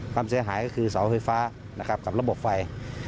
ความเสียหายก็คือเสาไฟฟ้านะครับกับระบบไฟ